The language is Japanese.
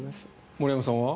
森山さんは？